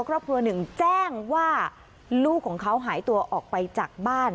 ครอบครัวหนึ่งแจ้งว่าลูกของเขาหายตัวออกไปจากบ้าน